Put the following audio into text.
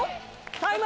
タイム！